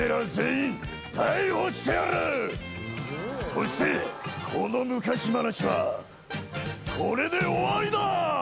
そしてこの昔話はこれで終わりだ！